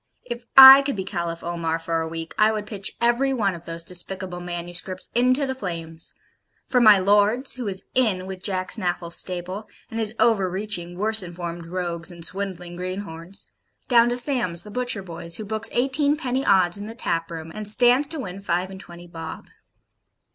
If I could be Caliph Omar for a week, I would pitch every one of those despicable manuscripts into the flames; from my Lord's, who is 'in' with Jack Snaffle's stable, and is over reaching worse informed rogues and swindling greenhorns, down to Sam's, the butcher boy's, who books eighteenpenny odds in the tap room, and 'stands to win five and twenty bob.'